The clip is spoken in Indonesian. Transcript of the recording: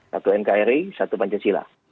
satu nkri satu pancasila